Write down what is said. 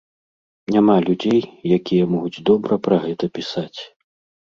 Няма людзей, якія могуць добра пра гэта пісаць.